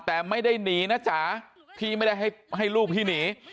แต่ไม่ได้หนีนะจ๋าพี่ไม่ได้ให้ลูกพี่หนี